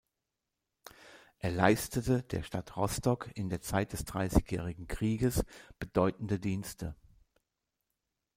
Er leistete der Stadt Rostock in der Zeit des Dreißigjährigen Krieges bedeutende Dienste.